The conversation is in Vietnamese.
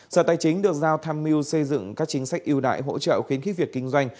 sở tài chính được giao tham mưu xây dựng các chính sách yêu đại hỗ trợ khuyến khích việc kinh doanh